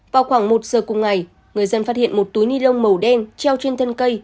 vào khoảng một giờ cùng ngày người dân phát hiện một túi nilon màu đen treo trên thân cây